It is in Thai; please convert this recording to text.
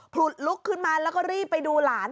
หลุดลุกขึ้นมาแล้วก็รีบไปดูหลาน